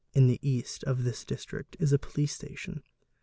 "In the east of this district is a police station.